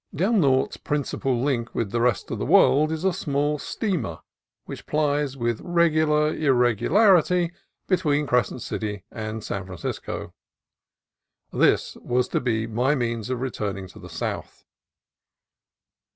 Del Norte's principal link with the rest of the world is a small steamer which plies with regular irregularity between Crescent City and San Fran cisco. This was to be my means of returning to the south.